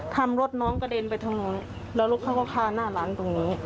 รถน้องกระเด็นไปทางนู้นแล้วรถเขาก็พาหน้าร้านตรงนี้